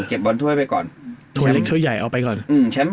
บอลถ้วยไปก่อนถ้วยเล็กถ้วยใหญ่เอาไปก่อนอืมแชมป์